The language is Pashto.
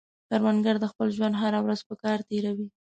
کروندګر د خپل ژوند هره ورځ په کار تېروي